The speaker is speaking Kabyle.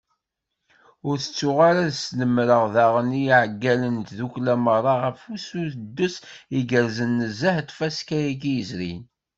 Ur tettuɣ ara ad snemreɣ daɣen iɛeggalen n tddukkla meṛṛa ɣef usuddes igerrzen nezzeh n tfaska-agi yezrin.